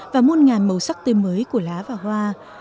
và môn ngàn màu sắc tươi mới của lá và hoa